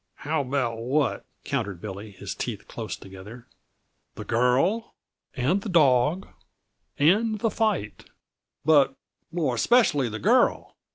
"How about what?" countered Billy, his teeth close together. "The girl, and the dawg, and the fight but more especially the girl.